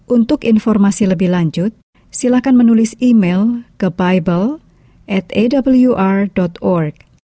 untuk informasi lebih lanjut silahkan menulis email ke bible atawr org